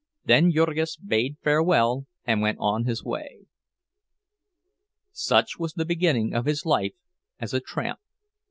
Then Jurgis bade farewell, and went on his way. Such was the beginning of his life as a tramp.